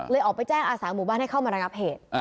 ออกไปแจ้งอาสาหมู่บ้านให้เข้ามาระงับเหตุ